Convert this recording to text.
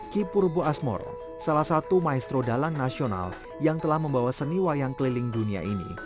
kipurbo asmoro salah satu maestro dalang nasional yang telah membawa seni wayang keliling dunia ini